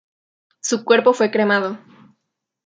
Su cuerpo fue cremado.